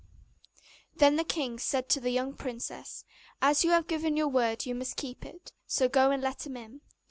Then the king said to the young princess, 'As you have given your word you must keep it; so go and let him in.